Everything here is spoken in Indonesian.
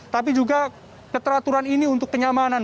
tapi juga keteraturan ini untuk kenyamanan